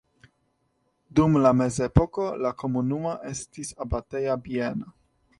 Dum la mezepoko la komunumo estis abateja bieno.